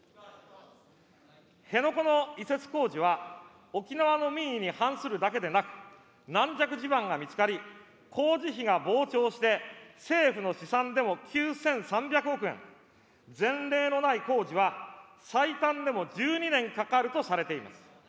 辺野古の移設工事は、沖縄の民意に反するだけでなく、軟弱地盤が見つかり、工事費が膨張して政府の試算でも９３００億円、前例のない工事は、最短でも１２年かかるとされています。